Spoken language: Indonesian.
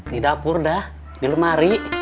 di dapur dah di lemari